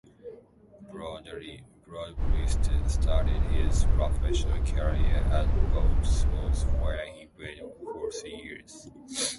Bradbury started his professional career at Portsmouth, where he played for three years.